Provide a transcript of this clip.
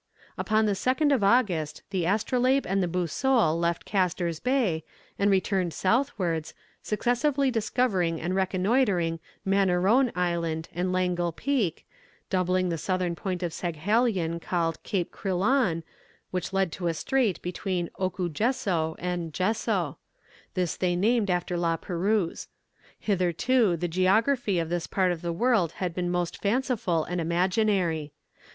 Upon the 2nd of August the Astrolabe and the Boussole left Casters Bay, and returned southwards, successively discovering and reconnoitring Monneron Island and Langle Peak, doubling the southern point of Saghalien called Cape Crillon, which led to a strait between Oku Jesso and Jesso; this they named after La Perouse. Hitherto the geography of this part of the world had been most fanciful and imaginary.